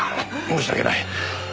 申し訳ない。